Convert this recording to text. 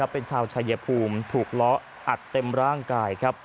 เป็นชาวชายเยพูมถูกล้ออัดเต็มร่างกาย